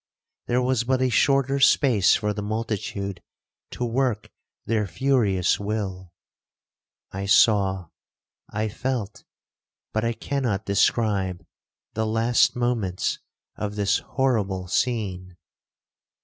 There was but a shorter space for the multitude to work their furious will. I saw, I felt, but I cannot describe, the last moments of this horrible scene.